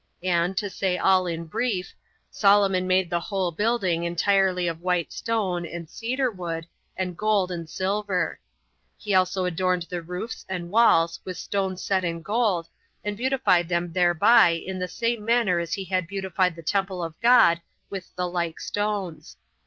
And, to say all in brief, Solomon made the whole building entirely of white stone, and cedar wood, and gold, and silver. He also adorned the roofs and walls with stones set in gold, and beautified them thereby in the same manner as he had beautified the temple of God with the like stones.